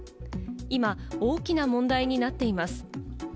今、大きな問題になっています。